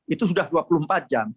itu sudah dua puluh empat jam